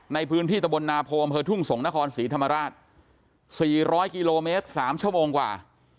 ในพื้นที่ตะบลนาโพอำเภอทุ่งสงศ์นครศรีธรรมราช๔๐๐กิโลเมตร๓ชั่วโมงกว่า